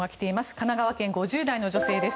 神奈川県、５０代の女性です。